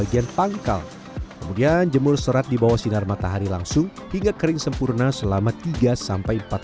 ini berisik mesinnya nyala banget